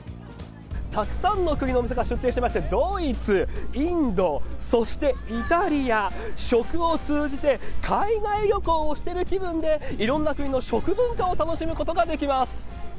なにわのみやは国際交流が盛んな古都だったということで、たくさんの国の店が出店してまして、ドイツ、インド、そしてイタリア、食を通じて海外旅行をしている気分で、いろんな国の食文化を楽しむことができます。